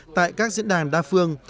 tại các diễn đàn đa phương